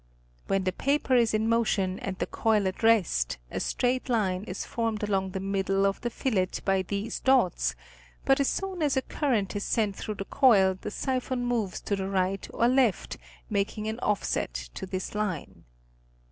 When the paper is in motion and the coil at rest, a straight line is formed along the middle of the fillet by these dots, but as soon as a current is sent through the coil the siphon moves to the right or left making an offset to this line.